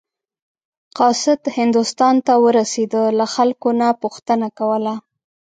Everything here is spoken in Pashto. قاصد هندوستان ته ورسېده له خلکو نه پوښتنه کوله.